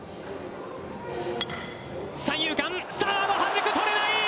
三遊間、サードはじく、捕れない。